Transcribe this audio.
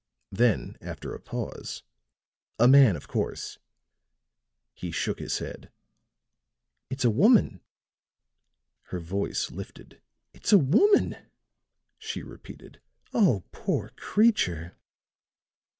Then, after a pause: "A man, of course." He shook his head. "It's a woman!" Her voice lifted. "It's a woman!" she repeated. "Oh, poor creature!"